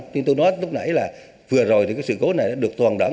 như tôi nói lúc nãy là vừa rồi thì cái sự cố này được toàn đảm